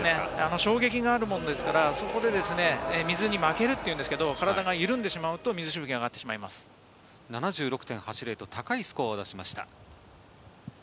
衝撃があるものですから、そこに水に負けるというんですが、体が緩んでしまうと、水しぶきが７６．８０という高いスコアを出しました。